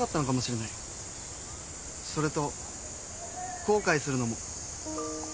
それと後悔するのも。